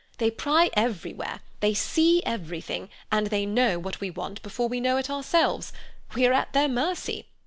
They pry everywhere, they see everything, and they know what we want before we know it ourselves. We are at their mercy.